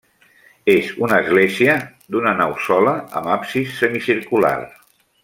És una església d'una nau sola amb absis semicircular.